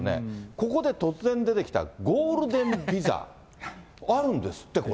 ここで突然出てきたゴールデンビザ、あるんですって、これ。